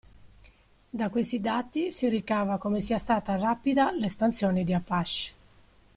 Da questi dati si ricava come sia stata rapida l'espansione di Apache.